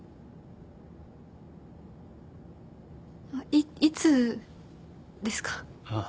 いいつですか？